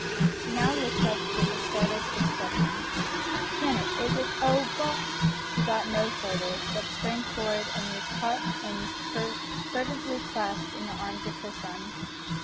She now looked up with a startled expression. "Can it is it oh! Bo " she got no further, but sprang forward and was caught and fervently clasped in the arms of her son.